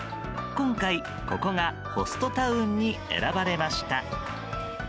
今回、ここがホストタウンに選ばれました。